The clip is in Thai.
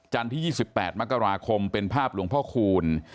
ที่๒๘มกราคมเป็นภาพหลวงพ่อคูณ